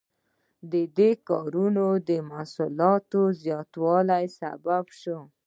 دې کارونو د محصولاتو د زیاتوالي سبب شو.